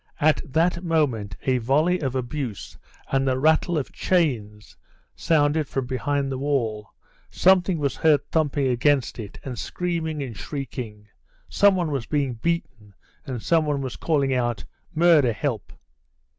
At that moment a volley of abuse and the rattle of chains sounded from behind the wall, something was heard thumping against it and screaming and shrieking, some one was being beaten, and some one was calling out, "Murder! help!"